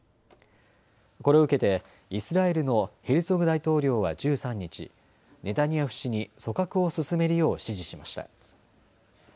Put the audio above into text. これを受けてイスラエルのヘルツォグ大統領は１３日、ネタニヤフ氏に組閣を進めるよう指示しました。